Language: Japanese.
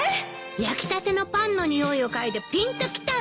焼きたてのパンの匂いを嗅いでぴんときたの。